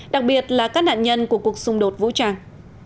đặc biệt là các nạn nhân của cuộc xung đột vũ trang